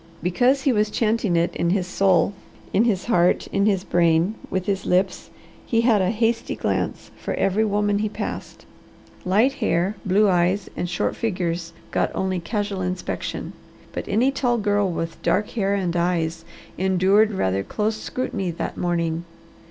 Because he was chanting it in his soul, in his heart, in his brain, with his lips, he had a hasty glance for every woman he passed. Light hair, blue eyes, and short figures got only casual inspection: but any tall girl with dark hair and eyes endured rather close scrutiny that morning.